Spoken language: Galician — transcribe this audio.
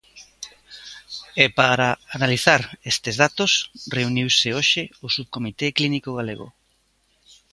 E para analizar estes datos reuniuse hoxe o subcomité clínico galego.